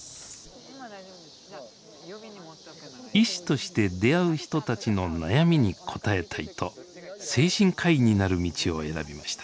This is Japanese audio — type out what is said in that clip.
医師として出会う人たちの悩みに応えたいと精神科医になる道を選びました。